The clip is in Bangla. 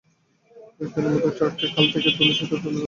দুই-এক দিনের মধ্যে ট্রাকটি খাল থেকে তুলে সেতুটি মেরামত করা হবে।